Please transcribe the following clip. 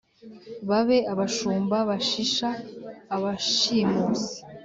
Babe abashumba bashisha abashimusi